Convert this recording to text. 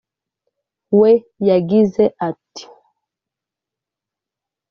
we yagize ati